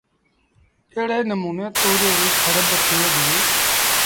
ايڙي نموٚني تُوريئي ريٚ کڙ با ٿئي ديٚ